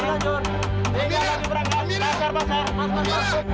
tiga lagi berangkat